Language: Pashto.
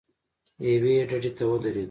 یوې ډډې ته ودرېدو.